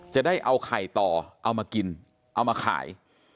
จะได้เอาไข่ต่อเอามากินเอามาขาย